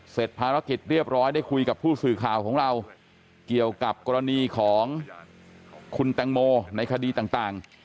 เสร็จภารกิจเรียบร้อยได้คุยกับผู้สื่อข่าวของเราเกี่ยวกับกรณีของคุณแตงโมในคดีต่าง